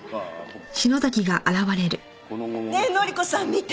ねえ乃里子さん見て！